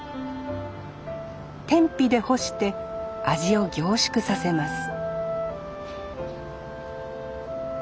天日で干して味を凝縮させます